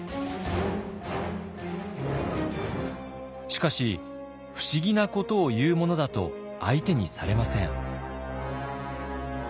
しかし不思議なことを言うものだと相手にされません。